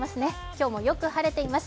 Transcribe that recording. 今日もよく晴れています。